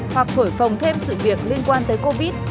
hoặc thổi phòng thêm sự việc liên quan tới covid